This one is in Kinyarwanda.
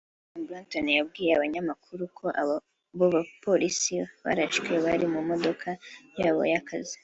William Bratton yabwiye abanyamakuru ko abo bapolisi barashwe bari mu modoka yabo y’akazi